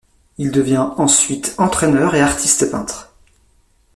Il devient ensuite entraîneur et artiste-peintre.